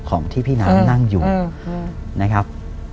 ของที่พี่น้ำนั่งอยู่นะครับ